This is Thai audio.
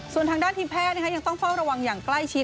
ส่วนทางด้านทีมแพทย์ยังต้องเฝ้าระวังอย่างใกล้ชิด